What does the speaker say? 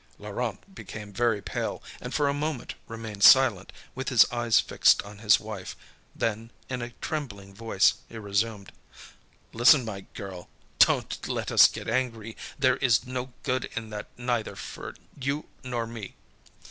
Laurent became very pale, and for a moment remained silent, with his eyes fixed on his wife; then, in a trembling voice, he resumed: "Listen, my girl, don't let us get angry; there is no good in that neither for you nor me.